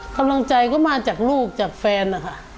กำลังใจก็มาจากลูกจากแฟนนะคะ